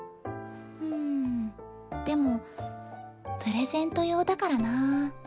うんでもプレゼント用だからなぁ。